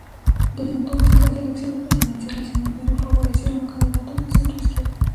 Desde entonces las elecciones presidenciales en el Perú favorecieron a candidatos de centro izquierda.